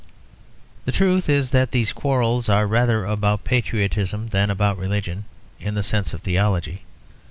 The truth is that these quarrels are rather about patriotism than about religion, in the sense of theology.